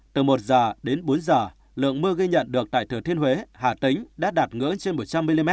từ một giờ đến bốn h lượng mưa ghi nhận được tại thừa thiên huế hà tĩnh đã đạt ngưỡng trên một trăm linh mm